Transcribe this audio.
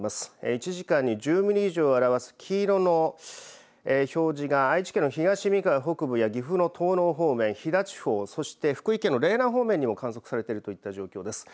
１時間に１０ミリ以上を表す黄色の表示が、愛知県のひがしみかわ北部や岐阜の方面、そして福井県の嶺南方面にも観測されているといった状況です。